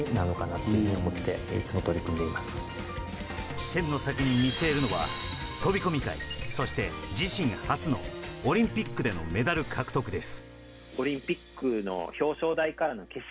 視線の先に見据えるのは飛込界、そして自身初のオリンピックでのメダル獲得です。